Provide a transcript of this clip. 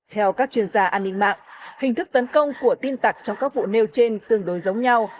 theo các chuyên gia an ninh mạng hình thức tấn công của tin tặc trong các vụ nêu trên tương đối giống nhau